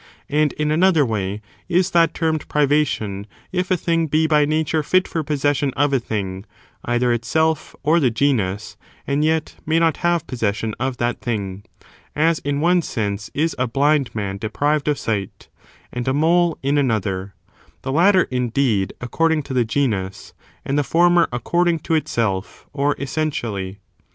And in another way is that termed privation if a thing be by nature fit for possession of a thing, either itself or the genus, and yet may not have possession of that thing ; as in one sense is a blind man deprived of sight, and a mole in another : the latter, indeed, according to the genus, and the former according to itself, or essentially.